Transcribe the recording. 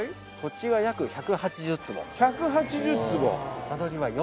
１８０坪。